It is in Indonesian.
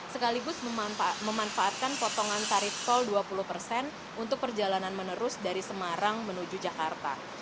sekaligus memanfaatkan potongan tarif tol dua puluh persen untuk perjalanan menerus dari semarang menuju jakarta